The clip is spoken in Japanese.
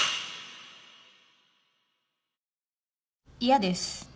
嫌です。